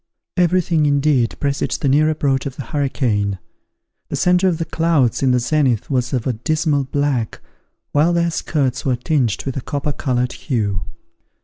Every thing, indeed, presaged the near approach of the hurricane. The centre of the clouds in the zenith was of a dismal black, while their skirts were tinged with a copper coloured hue.